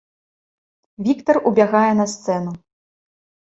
Віктар убягае на сцэну.